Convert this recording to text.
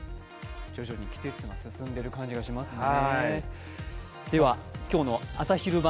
徐々に季節が進んでいる感じがしますね